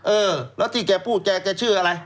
เออแล้วที่แกพูดแกแกชื่ออะไร